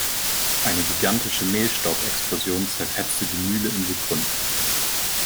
Eine gigantische Mehlstaubexplosion zerfetzte die Mühle in Sekunden.